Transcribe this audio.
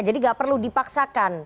jadi gak perlu dipaksakan